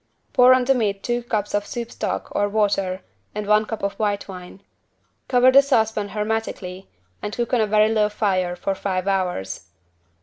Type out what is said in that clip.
Pour on the meat two cups of soup stock or water and one cup of white wine. Cover the saucepan hermetically and cook on a very low fire for five hours.